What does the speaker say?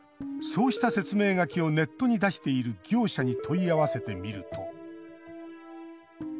そうした説明書きをネットに出している業者に問い合わせてみると。